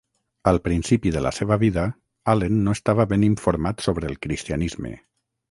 Al principi de la seva vida, Allen no estava ben informat sobre el cristianisme.